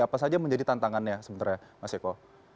apa saja menjadi tantangannya sebenarnya mas eko